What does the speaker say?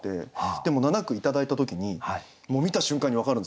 でも７句頂いた時にもう見た瞬間に分かるんですよ